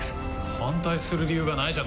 反対する理由がないじゃないか！